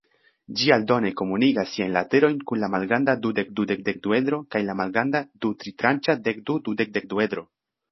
Ĝi aldone komunigas siajn laterojn kun la malgranda dudek-dudek-dekduedro kaj la malgranda du-tritranĉa dekdu-dudek-dekduedro.